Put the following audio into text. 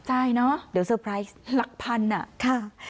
ใช่เนอะเดี๋ยวเตอร์ไพรส์หลักพันอ่ะค่ะ